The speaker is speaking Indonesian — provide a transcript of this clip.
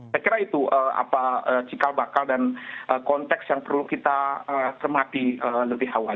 saya kira itu cikal bakal dan konteks yang perlu kita cermati lebih awal